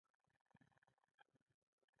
دا نظرپوښتنه د پیسو موندنې څرګندوي